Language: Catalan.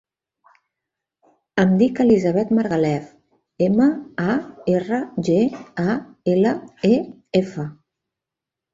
Em dic Elisabeth Margalef: ema, a, erra, ge, a, ela, e, efa.